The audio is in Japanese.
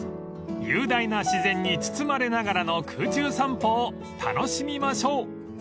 ［雄大な自然に包まれながらの空中散歩を楽しみましょう］